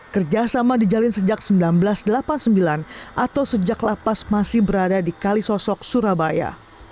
kerjasama dijalin sejak seribu sembilan ratus delapan puluh sembilan atau sejak lapas masih berada di kalisosok surabaya